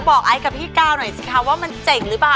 ไอซ์กับพี่ก้าวหน่อยสิคะว่ามันเจ๋งหรือเปล่า